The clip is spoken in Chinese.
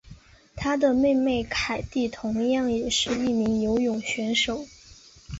她的妹妹凯蒂同样也是一名游泳选手。